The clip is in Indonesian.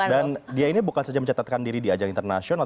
dan dia ini bukan saja mencatatkan diri di ajang internasional